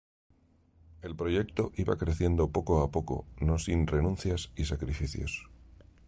El proyecto iba creciendo poco a poco, no sin renuncias y sacrificios.